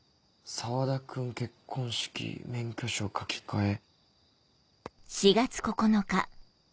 「澤田君結婚式」「免許証書き換え」。